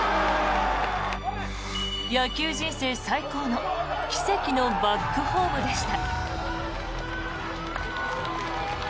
野球人生最高の「奇跡のバックホーム」でした。